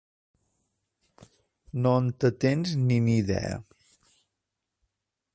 No en te-tens ni nidea.